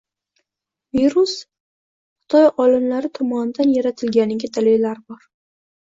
virus Xitoy olimlari tomonidan yaratilganiga dalillar bor.